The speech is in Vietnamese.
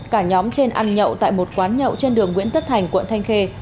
cả nhóm trên ăn nhậu tại một quán nhậu trên đường nguyễn tất thành quận thanh khê